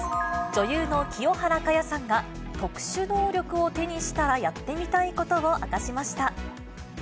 女優の清原果耶さんが特殊能力を手にしたらやってみたいことを明